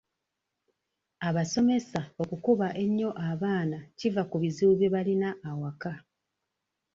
Abasomesa okukuba ennyo abaana kiva ku bizibu bye balina awaka.